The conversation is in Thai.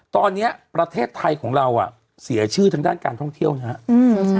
ตอนนี้ประเทศไทยของเราเสียชื่อทางด้านการท่องเที่ยวนะครับ